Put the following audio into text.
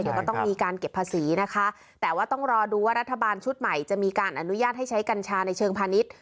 เดี๋ยวก็ต้องมีการเก็บภาษีนะคะแต่ว่าต้องรอดูว่ารัฐบาลชุดใหม่จะมีการอนุญาตให้ใช้กัญชาในเชิงพาณิชย์